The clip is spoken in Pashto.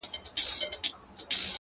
زما دي علم په کار نه دی-